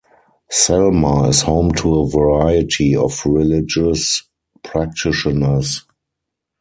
Selma is home to a variety of religious practitioners.